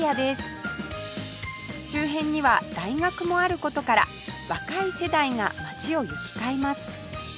周辺には大学もある事から若い世代が街を行き交います